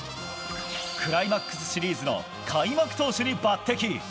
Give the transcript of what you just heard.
クライマックスシリーズの開幕投手に抜擢。